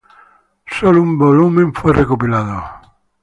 Sólo un volumen fue recopilado.